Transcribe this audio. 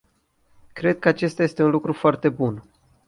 Cred că acesta este un lucru foarte bun.